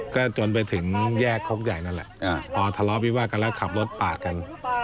ก็จนไปถึงแยกโคกใหญ่นั่นแหละพอทะเลาะวิวาดกันแล้วขับรถปาดกัน